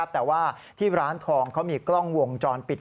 แต่ว่าที่ร้านทองเขามีกล้องวงจรปิด